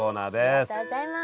ありがとうございます。